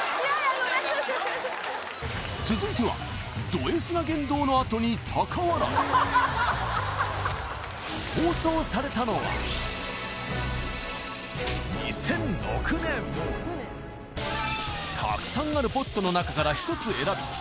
ごめんなさい続いてはあはは放送されたのはたくさんあるポットの中から１つ選び